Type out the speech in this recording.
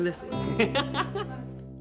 ハハハハ！